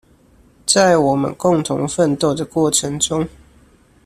在我們共同奮鬥的過程中